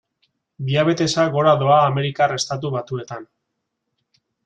Diabetesa gora doa Amerikar Estatu Batuetan.